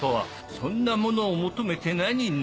そんなものを求めて何になる？